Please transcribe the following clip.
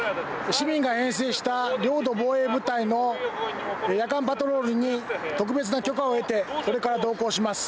市民が編成した領土防衛部隊の夜間パトロールに特別な許可を得て、これから同行します。